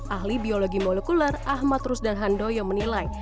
ahli biologi molekuler ahmad rusdan handoyo menilai